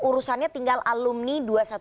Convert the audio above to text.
urusannya tinggal alumni dua ratus dua belas